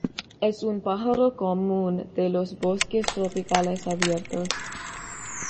Es un pájaro común de los bosques tropicales abiertos.